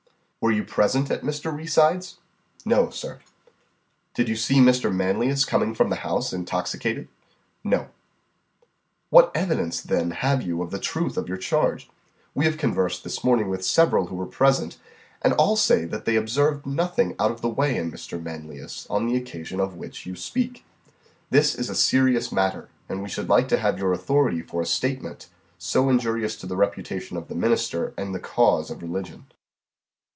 "Were you present at Mr. Reeside's?" "No, sir." "Did you see Mr. Manlius coming from the house intoxicated?" "No." "What evidence, then, have you of the truth of your charge? We have conversed this morning with several who were present, and all say that they observed nothing out of the way in Mr. Manlius, on the occasion of which you speak. This is a serious matter, and we should like to have your authority for a statement so injurious to the reputation of the minister and the cause of religion."